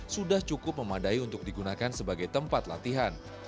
sudah cukup memadai untuk digunakan sebagai tempat latihan